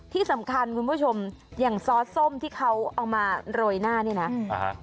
ที่สำคัญคุณผู้ชมอย่างซอสส้มที่เขาเอามาโรยหน้าเนี่ยนะ